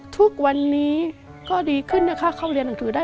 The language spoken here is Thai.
ทุกวันนี้ก็ดีขึ้นนะคะเข้าเรียนหนังสือได้